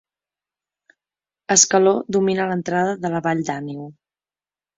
Escaló domina l'entrada de la Vall d'Àneu.